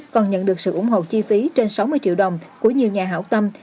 còn nhận được sự ủng hộ chi phí trên sáu mươi triệu đồng của nhiều nhà hảo tâm